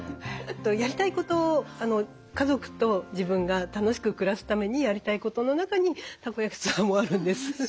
やりたいこと家族と自分が楽しく暮らすためにやりたいことの中にたこやきツアーもあるんです。